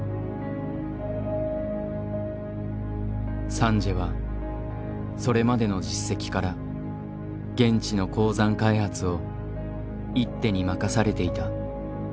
サンジエはそれまでの実績から現地の鉱山開発を一手に任されていた。